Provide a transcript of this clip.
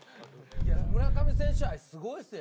いや村上選手愛すごいっすよ